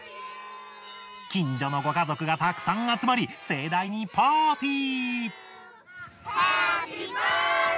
近所のご家族がたくさん集まり盛大にパーティー。